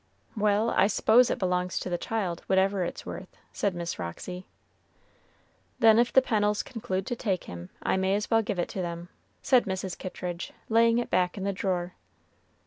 "Well, I s'pose it belongs to the child, whatever it's worth," said Miss Roxy. "Then if the Pennels conclude to take him, I may as well give it to them," said Mrs. Kittridge, laying it back in the drawer.